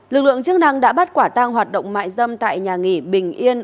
lực lượng chức năng đã bắt quả tang hoạt động mại dâm tại nhà nghỉ bình yên